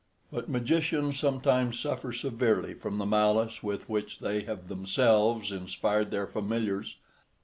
But magicians sometimes suffer severely from the malice with which they have themselves inspired their familiars.